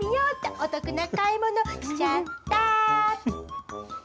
お得な買い物しちゃった。